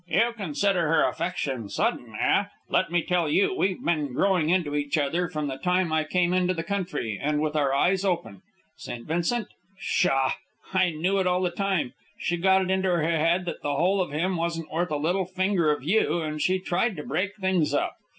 "You consider her affection sudden, eh? Let me tell you we've been growing into each other from the time I came into the country, and with our eyes open. St. Vincent? Pshaw! I knew it all the time. She got it into her head that the whole of him wasn't worth a little finger of you, and she tried to break things up.